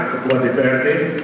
dan semua dprd